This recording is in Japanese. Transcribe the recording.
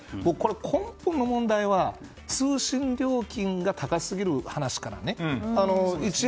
根本の問題は通信料金が高すぎる話から１円